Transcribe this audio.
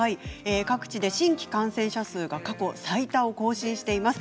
各地で新規感染者数が過去最多を更新しています。